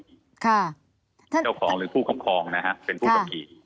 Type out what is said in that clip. เจ้าของหรือผู้ค้ำครองนะฮะเป็นผู้ขับขี่